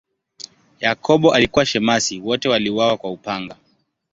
Yakobo alikuwa shemasi, wote waliuawa kwa upanga.